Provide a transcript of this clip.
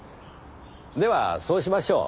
ではそうしましょう。